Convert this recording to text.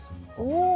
お。